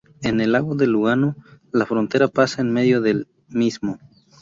En el lago de Lugano, la frontera pasa en medio del mismo.